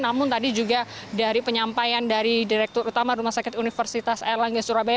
namun tadi juga dari penyampaian dari direktur utama rumah sakit universitas erlangga surabaya